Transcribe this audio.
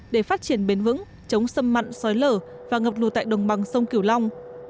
để phát triển bến vững chống sâm mặn xói lở và ngập lù tại đồng bằng sông kiểu long